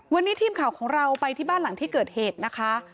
วันนี้ทีมข่าวของเราไปที่บ้านหลังที่เกิดเหตุนะคะ